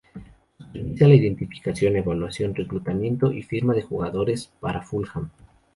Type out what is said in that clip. Supervisa la identificación, evaluación, reclutamiento y firma de jugadores para Fulham.